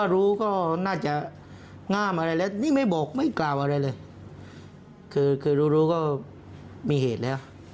รู้ก็มีเหตุแล้ว